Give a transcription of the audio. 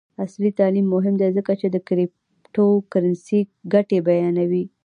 عصري تعلیم مهم دی ځکه چې د کریپټو کرنسي ګټې بیانوي.